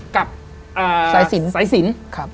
กับสายสิน